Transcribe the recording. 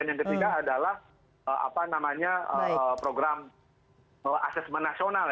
dan yang ketiga adalah program asesmen nasional